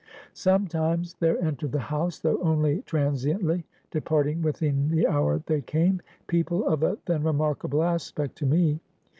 "Sometimes there entered the house though only transiently, departing within the hour they came people of a then remarkable aspect to me.